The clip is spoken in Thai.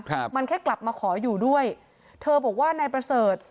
ครับมันแค่กลับมาขออยู่ด้วยเธอบอกว่านายประเสริฐ